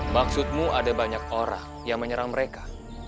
maksudmu ada banyak orang yang menyerang mereka